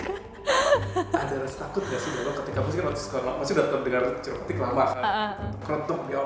kita sudah denger k ot logo